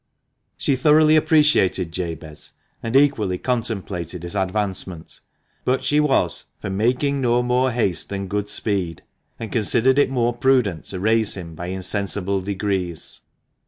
She thoroughly appreciated Jabez, and equally contemplated his advancement ; but she was for " making no more haste than good speed," and considered it more prudent to raise him by insensible degrees.